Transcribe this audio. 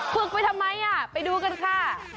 ฝึกไปทำไมไปดูกันค่ะ